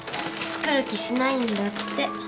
作る気しないんだって。